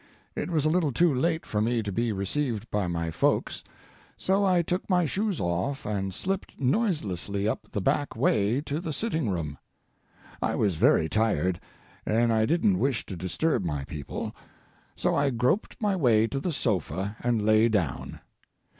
It was a little too late for me to be received by my folks, so I took my shoes off and slipped noiselessly up the back way to the sitting room. I was very tired, and I didn't wish to disturb my people. So I groped my way to the sofa and lay down.